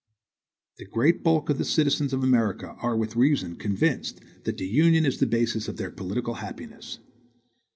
The great bulk of the citizens of America are with reason convinced, that Union is the basis of their political happiness.